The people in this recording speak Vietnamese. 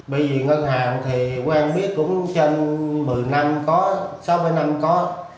bởi vì ngân hàng thì quang biết cũng tranh một mươi năm có sáu mươi năm có